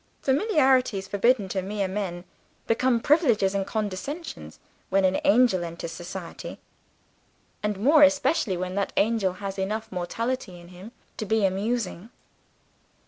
Familiarities, forbidden to mere men, become privileges and condescensions when an angel enters society and more especially when that angel has enough of mortality in him to be amusing.